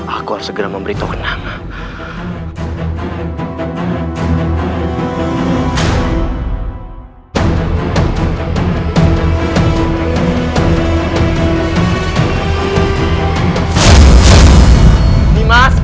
aku harus segera memberi kewenangan